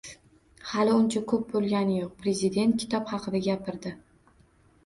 Hali uncha ko‘p bo‘lgani yo‘q, prezident kitob xaqida gapirdi.